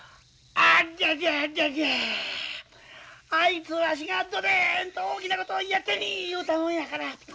あいつわしがどでんと大きなことをやってみい言うたもんやから。